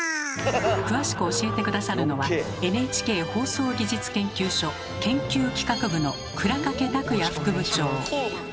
詳しく教えて下さるのはＮＨＫ放送技術研究所研究企画部の倉掛卓也副部長。